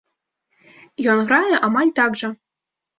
Ён грае амаль так жа.